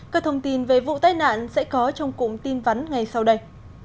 các thông tin về vụ tai nạn sẽ có trong cụm tin vắn ngay sau đây